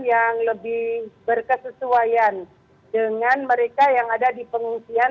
yang lebih berkesesuaian dengan mereka yang ada di pengungsian